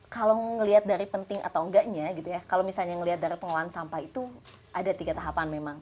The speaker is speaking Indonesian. kalau melihat dari penting atau enggaknya gitu ya kalau misalnya melihat dari pengelolaan sampah itu ada tiga tahapan memang